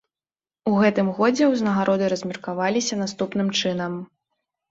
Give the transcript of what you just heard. У гэтым годзе ўзнагароды размеркаваліся наступным чынам.